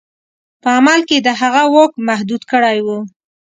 په عمل کې یې د هغه واک محدود کړی وو.